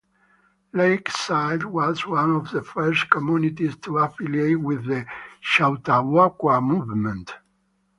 Lakeside was one of the first communities to affiliate with the Chautauqua movement.